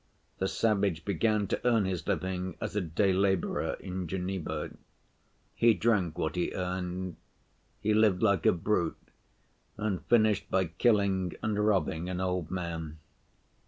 The savage began to earn his living as a day laborer in Geneva. He drank what he earned, he lived like a brute, and finished by killing and robbing an old man.